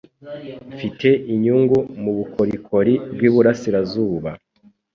Mfite inyungu mubukorikori bwiburasirazuba.